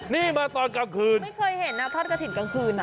นี่มาตอนกลางคืนไม่เคยเห็นนะทอดกระถิ่นกลางคืนอ่ะ